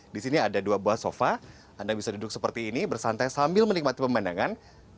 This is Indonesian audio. di sini ada dua buah sofa anda bisa duduk seperti ini bersantai sambil menikmati pemandangan